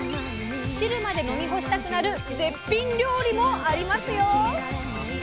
汁まで飲み干したくなる絶品料理もありますよ！